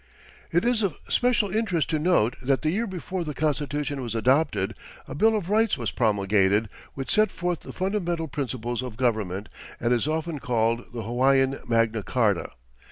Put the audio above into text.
It is of special interest to note that, the year before the constitution was adopted, a Bill of Rights was promulgated, which set forth the fundamental principles of government and is often called the Hawaiian Magna Charta.